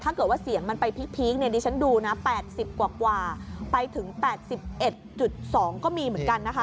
ถ้าเกิดว่าเสียงมันไปพีคเนี่ยดิฉันดูนะ๘๐กว่าไปถึง๘๑๒ก็มีเหมือนกันนะคะ